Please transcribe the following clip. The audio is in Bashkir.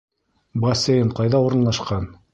Бассейн ҡайҙа урынлашҡан?